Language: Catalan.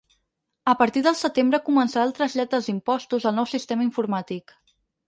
A partir del setembre començarà el trasllat els impostos al nou sistema informàtic.